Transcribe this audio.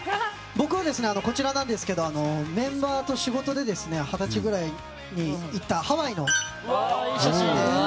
僕は、こちらなんですがメンバーと仕事で二十歳ぐらいに行ったハワイの写真で。